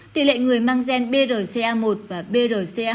tỉ lệ người mang gen brca một và brca hai